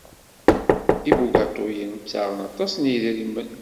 Ibugaṭuten ttaɣen aṭas n yedrimen.